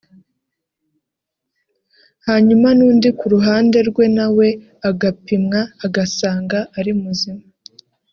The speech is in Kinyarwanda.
hanyuma n’undi ku ruhande rwe nawe agapimwa agasanga ari muzima